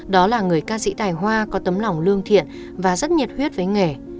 đó là người ca sĩ tài hoa có tấm lòng lương thiện và rất nhiệt huyết với nghề